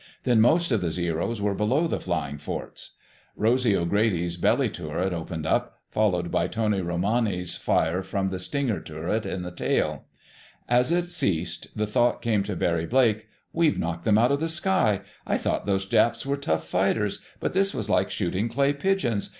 Then most of the Zeros were below the flying forts. Rosy O'Grady's belly turret opened up, followed by Tony Romani's fire from the "stinger" turret in the tail. As it ceased, the thought came to Barry Blake: "We've knocked them out of the sky! I thought those Japs were tough fighters, but this was like shooting clay pigeons.